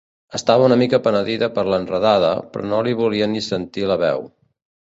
Estava una mica penedida per l'enredada, però no li volia ni sentir la veu.